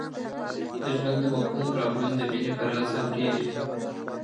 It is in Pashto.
د ژوند د مفهوم پرابلم د مینې په راز حل کېږي.